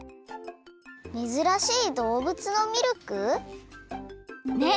めずらしいどうぶつのミルク？ね